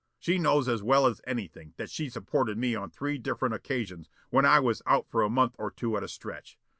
She knows as well as anything that she supported me on three different occasions when I was out for a month or two at a stretch.